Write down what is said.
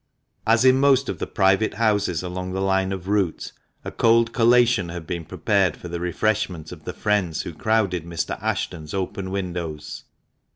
As in most of the private houses along the line of route, a cold collation had been prepared for the refreshment of the friends who crowded Mr. Ashton's open windows.